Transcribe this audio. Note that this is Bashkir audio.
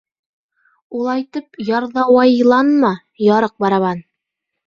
— Улайтып ярҙауайланма, ярыҡ барабан.